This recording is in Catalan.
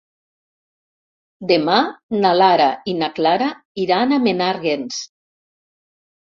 Demà na Lara i na Clara iran a Menàrguens.